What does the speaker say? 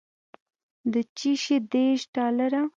د چشي دېرش ډالره.